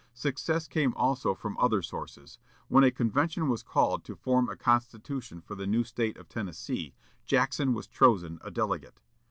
Success came also from other sources. When a convention was called to form a constitution for the new State of Tennessee, Jackson was chosen a delegate.